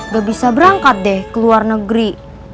gak bisa berangkat deh ke luar negeri